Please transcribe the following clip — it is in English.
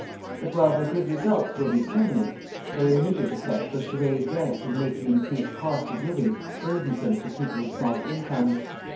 But while their good results will be permanent, their immediate effect was to raise rents and make the increased cost of living burdensome to people of small incomes.